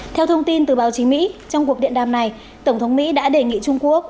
theo thông tin từ báo chí mỹ trong cuộc điện đàm này tổng thống mỹ đã đề nghị trung quốc